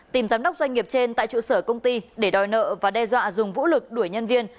tìm giám đốc doanh nghiệp trên tại trụ sở công ty để đòi nợ và đe dọa dùng vũ lực đuổi nhân viên